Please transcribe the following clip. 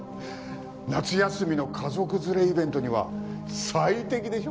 夏休みの家族連れイベントには最適でしょ？